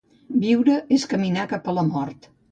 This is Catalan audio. Viure és caminar cap a la mort.